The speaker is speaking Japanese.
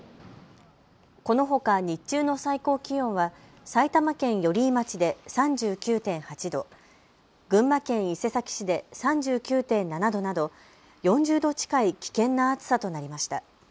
このほか日中の最高気温は埼玉県寄居町で３９．８度、群馬県伊勢崎市で３９．７度など４０度近い危険な暑さとなりました。